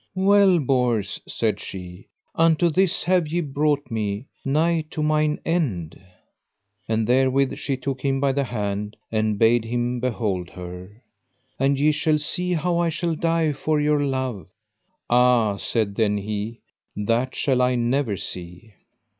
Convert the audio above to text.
Well Bors, said she, unto this have ye brought me, nigh to mine end. And therewith she took him by the hand, and bade him behold her. And ye shall see how I shall die for your love. Ah, said then he, that shall I never see.